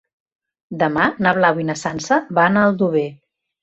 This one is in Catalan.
Demà na Blau i na Sança van a Aldover.